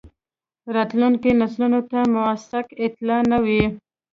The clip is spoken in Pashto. راتلونکو نسلونو ته موثق اطلاعات نه وي.